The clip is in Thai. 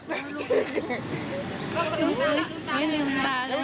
เย็นนีอยู่ไหน